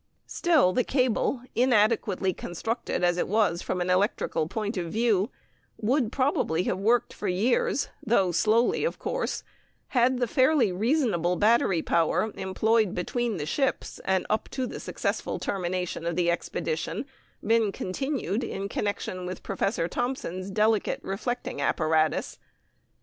Still the cable, inadequately constructed as it was from an electrical point of view, would probably have worked for years though slowly, of course had the fairly reasonable battery power employed between the ships and up to the successful termination of the expeditions been continued in connection with Professor Thomson's delicate reflecting apparatus.